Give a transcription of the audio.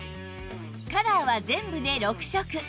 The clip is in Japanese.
カラーは全部で６色